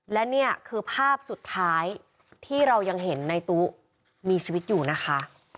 และนี่คือภาพสุดท้ายที่เรายังเห็นในตู้มีชีวิตอยู่นะคะ